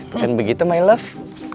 bukan begitu my love